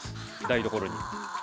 台所に。